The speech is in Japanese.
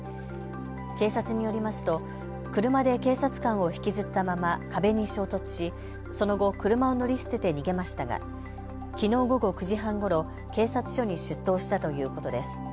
警察によりますと車で警察官を引きずったまま壁に衝突しその後、車を乗り捨てて逃げましたがきのう午後９時半ごろ、警察署に出頭したということです。